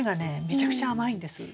めちゃくちゃ甘いんですよ。